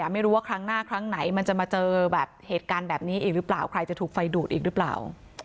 ไม่รู้ว่าครั้งหน้าครั้งไหนมันจะมาเจอแบบเหตุการณ์แบบนี้อีกหรือเปล่าใครจะถูกไฟดูดอีกหรือเปล่า